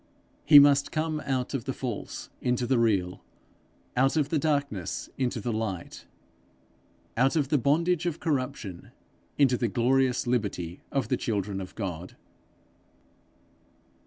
He must come out of the false into the real; out of the darkness into the light; out of the bondage of corruption into the glorious liberty of the children of God.